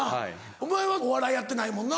お前はお笑いやってないもんな。